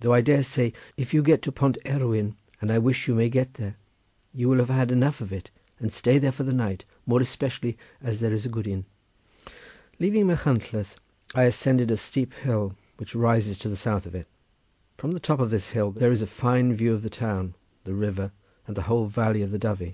Though I dare say if you get to Pont Erwyd—and I wish you may get there—you will have had enough of it, and will stay there for the night, more especially as there is a good inn." Leaving Machynlleth, I ascended a steep hill which rises to the south of it. From the top of this hill there is a fine view of the town, the river and the whole valley of Dyfi.